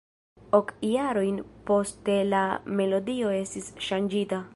Ok jarojn poste la melodio estis ŝanĝita.